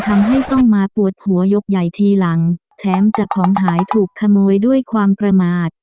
ทำให้ต้องมาปวดหัวยกใหญ่ทีหลังแถมจะของหายถูกขโมยด้วยความประมาท